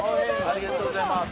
ありがとうございます。